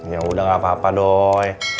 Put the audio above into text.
ya udah nggak apa apa doi